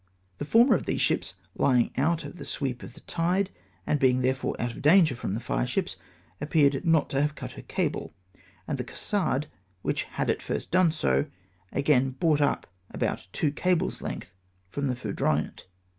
The former of these ships lying out of the sweep of the tide, and being therefore out of danger from the fireships, ap peared not to have cut her cable, and the Cassard^ which had at first done so, again brought up about two cables' length from the Foudroyant.